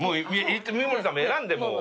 井森さんも選んでもう。